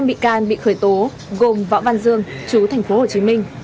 năm bị can bị khởi tố gồm võ văn dương chú thành phố hồ chí minh